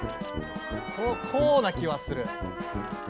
こうな気はする。